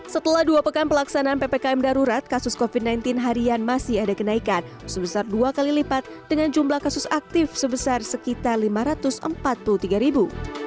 setelah dua pekan pelaksanaan ppkm darurat kasus covid sembilan belas harian masih ada kenaikan sebesar dua kali lipat dengan jumlah kasus aktif sebesar sekitar lima ratus empat puluh tiga ribu